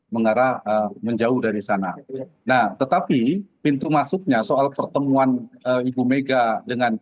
mengarah menjauh dari sana nah tetapi pintu masuknya soal pertemuan ibu mega dan pak prabowo yang diperjuangkan